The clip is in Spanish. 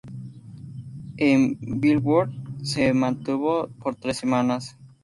En "Billboard" se mantuvo por tres semanas.